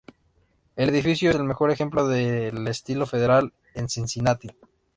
El edificio es el mejor ejemplo del "estilo federal" en Cincinnati.